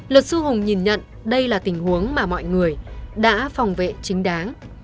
luật sư hùng nhìn nhận đây là tình huống mà mọi người đã phòng vệ chính đáng